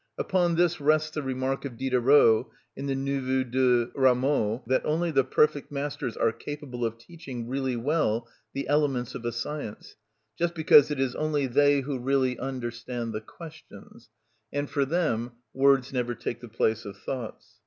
Upon this rests the remark of Diderot in the Neveu de Rameau, that only the perfect masters are capable of teaching really well the elements of a science; just because it is only they who really understand the questions, and for them words never take the place of thoughts.